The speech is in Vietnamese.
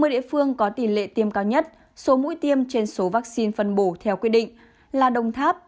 ba mươi địa phương có tỷ lệ tiêm cao nhất số mũi tiêm trên số vaccine phân bổ theo quy định là đồng tháp